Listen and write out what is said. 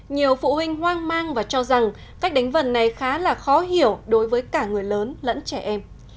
nhiều phụ huynh hoang mang và cho rằng cách đánh vần này khá là khó hiểu đối với cả người lớn lẫn trẻ em